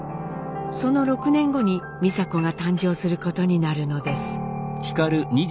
その６年後に美佐子が誕生することになるのです。